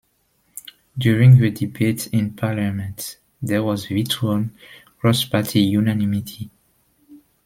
During the debates in Parliament, there was virtual cross party unanimity.